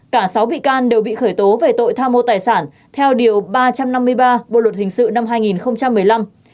cả sáu bị can đều bị khởi tố về tội tham mô tài sản theo điều ba trăm năm mươi ba bộ luật hình sự năm hai nghìn một mươi năm